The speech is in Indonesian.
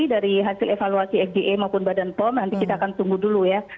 dari hasil evaluasi fda maupun badan pom nanti kita akan tunggu dulu ya